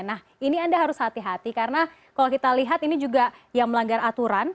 nah ini anda harus hati hati karena kalau kita lihat ini juga yang melanggar aturan